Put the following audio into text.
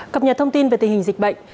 cập nhật thông tin về tình hình dịch bệnh